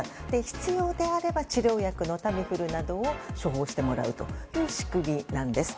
必要であれば治療薬のタミフルなどを処方してもらうという仕組みなんです。